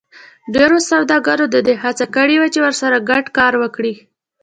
ډېرو سوداګرو د دې هڅه کړې وه چې ورسره ګډ کار وکړي